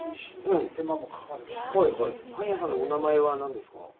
パン屋さんのお名前は何ですか？